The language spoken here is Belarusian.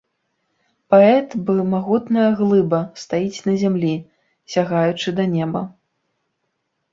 Паэт бы магутная глыба стаіць на зямлі, сягаючы да неба.